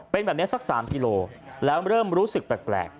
เป็นแบบนี้สัก๓กิโลแล้วเริ่มรู้สึกแปลก